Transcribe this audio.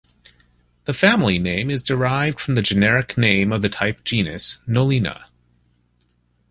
The family name is derived from the generic name of the type genus, "Nolina".